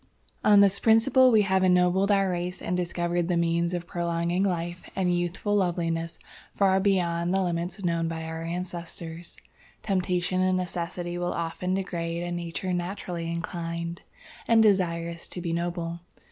"On this principle we have ennobled our race and discovered the means of prolonging life and youthful loveliness far beyond the limits known by our ancestors. "Temptation and necessity will often degrade a nature naturally inclined and desirous to be noble.